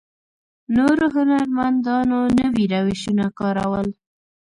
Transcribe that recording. نورو هنرمندانو نوي روشونه کارول.